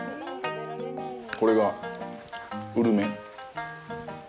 これがウルメ。